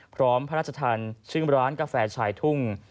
พระราชทานชื่อร้านกาแฟชายทุ่ง